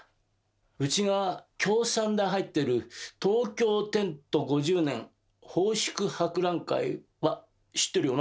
うちが協賛で入ってる「東京奠都五十年奉祝博覧会」は知ってるよな？